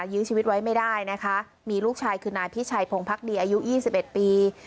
ยื้อชีวิตไว้ไม่ได้นะคะมีลูกชายคือนายพิชัยพงภักดีอายุ๒๑ปี